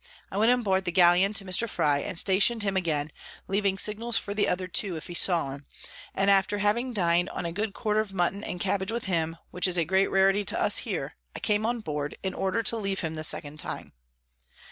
I went on board the Galeon to Mr. Frye, and station'd him again, leaving Signals for the other two, if he saw 'em; and after having din'd on a good Quarter of Mutton and Cabbage with him, which is a great Rarity to us here, I came on board, in order to leave him the second time.